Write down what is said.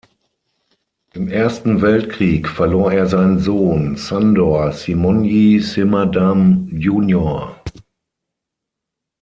Im Ersten Weltkrieg verlor er seinen Sohn Sándor Simonyi-Semadam jr.